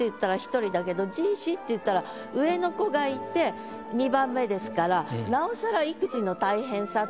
次子って言ったら上の子がいて２番目ですからなおさら。